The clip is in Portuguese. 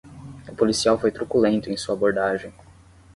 O policial foi truculento em sua abordagem